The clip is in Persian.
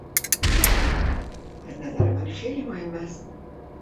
از نظر من خیلی مهم است.